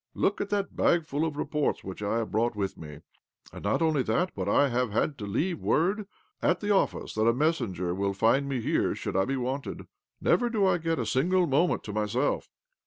Look at that bagful of reports which I have brought with me 1 And not only that, but I have had to leave word at the office that a messenger will find me here should I be wanted. Never do I get a single moment to myself."